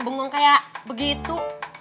bengong kayak begitu